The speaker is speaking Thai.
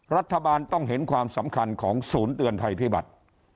รัฐบาลต้องเห็นความสำคัญของศูนย์เตือนภัยพิบัติ